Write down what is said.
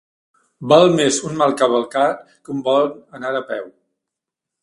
Val més un mal cavalcar que un bon anar a peu.